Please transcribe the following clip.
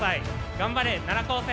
頑張れ奈良高専！